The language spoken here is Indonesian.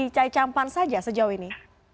cai campan saja sejauh ini